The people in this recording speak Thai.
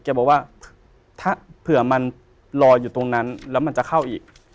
บอกว่าถ้าเผื่อมันลอยอยู่ตรงนั้นแล้วมันจะเข้าอีก